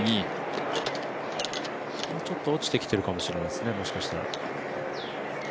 ちょっと落ちてきてるかもしれないですね、もしかしたら。